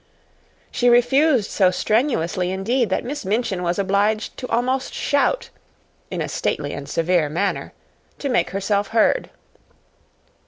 She refused so strenuously indeed that Miss Minchin was obliged to almost shout in a stately and severe manner to make herself heard.